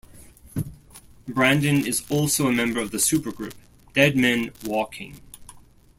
Brandon is also a member of the supergroup, Dead Men Walking.